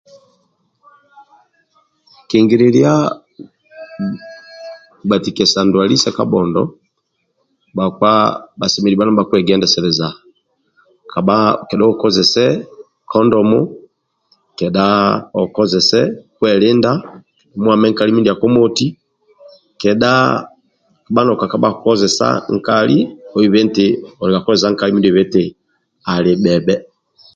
Kingililia gbatikesa ndwali sa kabhondo bhakpa bhasemelelu bha nibhakiendeseleza kabha kedha okozese kondomu kedhabokozese kwelinda omwame nkali mindiako moti kedha kabha noibi eti okakozesa nkali oibe eti okakozesa nkali mi dia oibi eti ali bhebhe